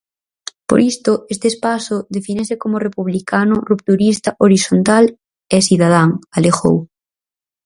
Por isto este espazo defínese como republicano, rupturista, horizontal e cidadán, alegou.